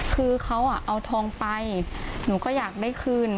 คือเขาเอาทองไปหนูก็อยากได้คืน